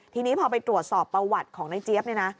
ทีนี้พอไปตรวจสอบประวัติของในเจี๊ยบ